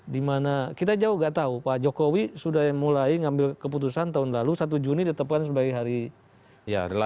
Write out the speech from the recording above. dimana kita jauh gak tahu pak jokowi sudah mulai ngambil keputusan tahun lalu satu juni ditetapkan sebagai hari